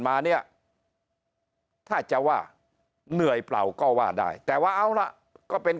มาเนี่ยถ้าจะว่าเหนื่อยเปล่าก็ว่าได้แต่ว่าเอาล่ะก็เป็น